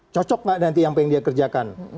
cocok gak nanti yang pengen dia kerjakan